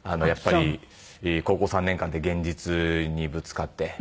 やっぱり高校３年間で現実にぶつかって。